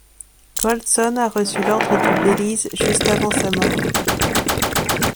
Goldson a reçu l'Ordre du Belize juste avant sa mort.